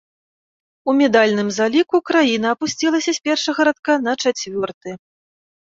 У медальным заліку краіна апусцілася з першага радка на чацвёрты.